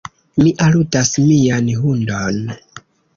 Mi aludas mian hundon.